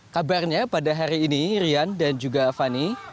kabarnya pada hari ini rian dan juga fani